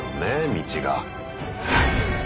道が。